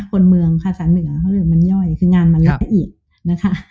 คนเมืองคาสานเหนือเขาเรียกว่ามันย่อยคืองานมันละอีกนะคะ